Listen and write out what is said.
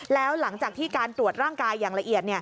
แล้วหลังจากที่การตรวจร่างกายอย่างละเอียด